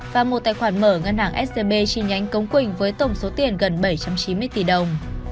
và một tài khoản mở ngân hàng scb chi nhánh cống quỳnh với tổng số tiền gần bảy trăm chín mươi tỷ đồng